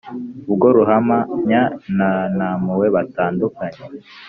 «ubwo ruhamanya na ntampuhwe batandukanye